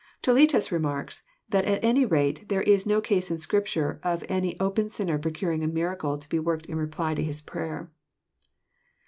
Toletus remarks, that at any rate there is no case in Scrip ture of any open sinner procuring a miracle to be worked in reply to his prayer.